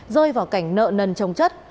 rơi vào cảnh nợ nần trồng chất